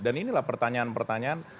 dan inilah pertanyaan pertanyaan